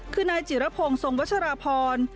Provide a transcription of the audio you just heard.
คือนายจิรพงศ์ทรงวัชราพร